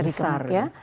jadi gemuk ya